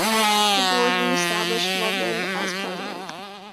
The board re-established Loveland as president.